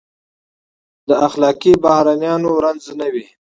د اخلاقي بحرانونو رنځ نه وي.